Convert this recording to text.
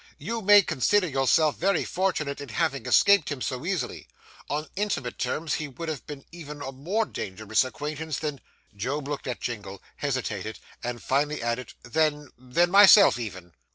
'You may consider yourself very fortunate in having escaped him so easily. On intimate terms he would have been even a more dangerous acquaintance than ' Job looked at Jingle, hesitated, and finally added, 'than than myself even.